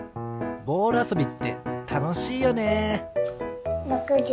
ボールあそびってたのしいよね。